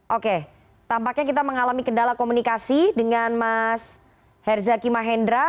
oke tampaknya kita mengalami kendala komunikasi dengan mas herzaki mahendra